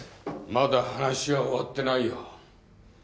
まだ話は終わってないよ。